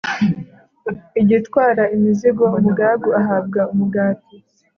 igatwara imizigo, umugaragu ahabwa umugati